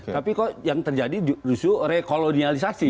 tapi kok yang terjadi justru rekolonialisasi